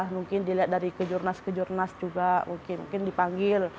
mungkin dilihat dari kejurnas kejurnas juga mungkin dipanggil